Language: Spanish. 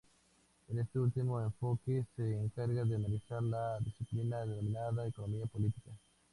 En este último enfoque, se encarga de analizar la disciplina denominada Economía política.